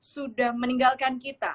sudah meninggalkan kita